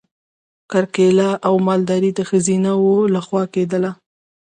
کرکیله او مالداري د ښځینه وو لخوا کیدله.